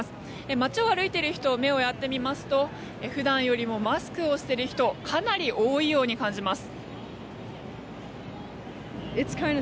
街を歩いている人に目をやってみますと普段よりもマスクをしている人かなり多いようにも感じます。